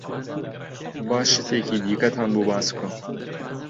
با شتێکی دیکەتان بۆ باس بکەم.